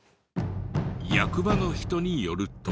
役場の人によると。